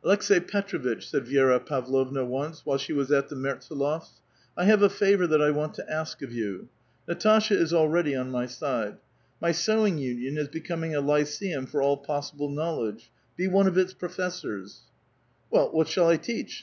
, 'Aleks^i Petrovitch," said Vi6ra Petrovitch once, while 9^ Was at the Mertsdlofs, " I have a favor that I want to . of you. Nataslia is already on my side. My sewing ^^^^ is becoming a lyceum for all possible knowledge. Be f^^f its professors." , ^^ell, what shall I teach?